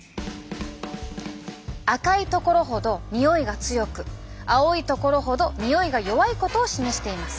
赤いところほどにおいが強く青いところほどにおいが弱いことを示しています。